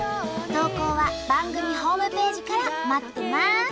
投稿は番組ホームページから待ってます！